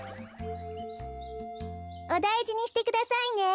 おだいじにしてくださいね。